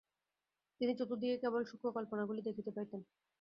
তিনি চতুর্দিকে কেবল সূক্ষ্ম কল্পনাগুলি দেখিতে পাইতেন।